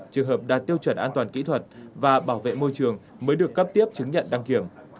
trường hợp đạt tiêu chuẩn an toàn kỹ thuật và bảo vệ môi trường mới được cấp tiếp chứng nhận đăng kiểm